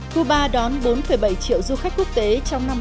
cuba đón bốn bảy triệu du khách quốc tế trong năm hai nghìn một mươi bảy